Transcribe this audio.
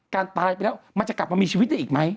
การตายไปแล้วมันจะกลับมามีชีวิตได้อีกไหม